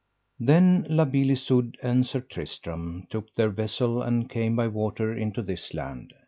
Then La Beale Isoud and Sir Tristram took their vessel, and came by water into this land.